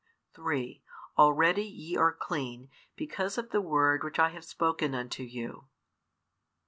3 Already ye are clean, because of the word which I have spoken unto you.